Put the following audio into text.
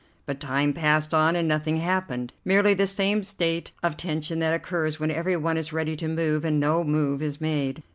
But time passed on and nothing happened, merely the same state of tension that occurs when every one is ready to move and no move is made.